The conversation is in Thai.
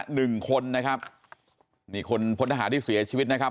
หนึ่งคนนะครับนี่คนพลทหารที่เสียชีวิตนะครับ